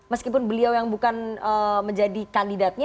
meskipun beliau yang bukan menjadi kandidatnya